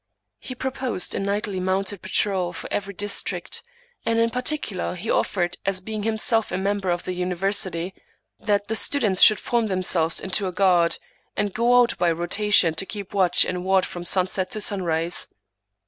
He proposed a nightly mounted patrol for every district. And in particular he offered, as being himself a member of the university, that the students should form themselves into a guard, and go out by rotation to keep watch and ward from sunset to sunrise.